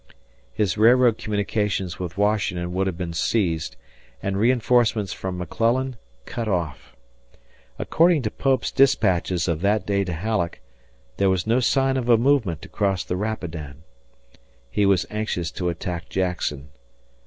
His railroad communications with Washington would have been seized, and reinforcements from McClellan cut off. According to Pope's dispatches of that day to Halleck, there was no sign of a movement to cross the Rapidan. He was anxious to attack Jackson.